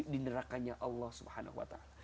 di nerakanya allah swt